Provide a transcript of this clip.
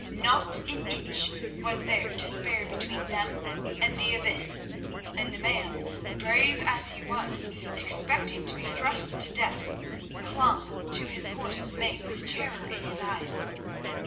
Not an inch was there to spare between them and the abyss, and the man, brave as he was, expecting to be thrust to death, clung to his horse's mane with terror in his eyes.